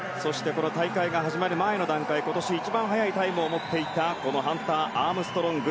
この大会が始まる前の段階今年一番早いタイムを持っていたこのハンター・アームストロング